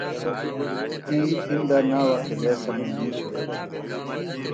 تی اِندہ ناوہ قِلعے سمئنی شِرو تِھیلہ